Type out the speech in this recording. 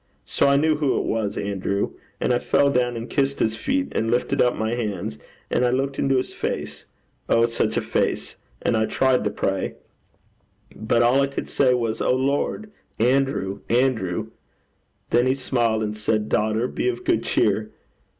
So I knew who it was, Andrew. And I fell down and kissed his feet, and lifted up my hands, and looked into his face oh, such a face! And I tried to pray. But all I could say was, "O Lord, Andrew, Andrew!" Then he smiled, and said, "Daughter, be of good cheer.